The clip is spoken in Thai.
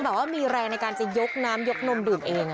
แบบว่ามีแรงในการจะยกน้ำยกนมดื่มเอง